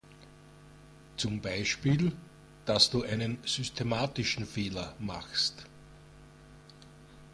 Zum Beispiel, dass du einen systematischen Fehler machst.